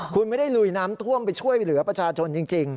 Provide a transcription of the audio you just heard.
คุณไม่ได้ลุยน้ำท่วมไปช่วยเหลือประชาชนจริง